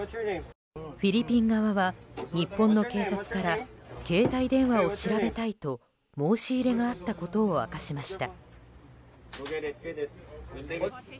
フィリピン側は日本の警察から携帯電話を調べたいと申し入れがあったことを明かしました。